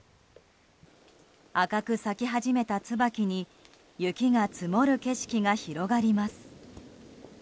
赤く咲き始めたツバキに雪が積もる景色が広がります。